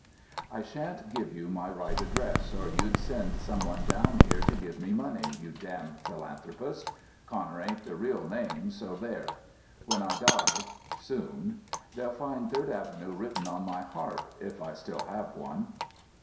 "I shan't give you my right address, or you'd send someone down here to give me money, you damned philanthropist.... Connor ain't the real name, so there. When I die (soon) they'll find Third Avenue written on my heart, if I still have one...."